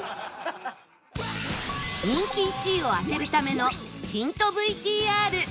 人気１位を当てるためのヒント ＶＴＲ